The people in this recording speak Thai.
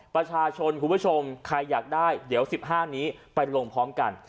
ประชาชนคุณผู้ชมใครอยากได้เดี๋ยว๑๕นี้ไปลงพร้อมกัน